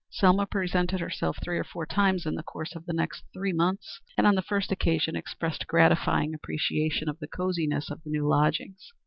Selma presented herself three or four times in the course of the next three months, and on the first occasion expressed gratifying appreciation of the cosiness of the new lodgings.